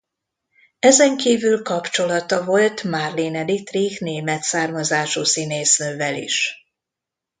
Ezen kívül kapcsolata volt Marlene Dietrich német származású színésznővel is.